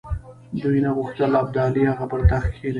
دوی نه غوښتل ابدالي هغه پر تخت کښېنوي.